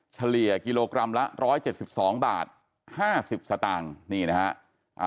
เฉลี่ยกิโลกรัมละ๑๗๒บาท๕๐สตางค์นี่นะฮะ